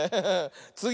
つぎ！